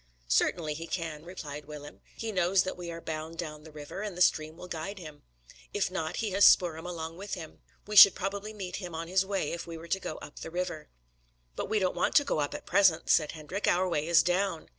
"Certainly he can," replied Willem. "He knows that we are bound down the river, and the stream will guide him. If not, he has Spoor'em along with him. We should probably meet him on his way if we were to go up the river." "But we don't want to go up at present," said Hendrik. "Our way is down."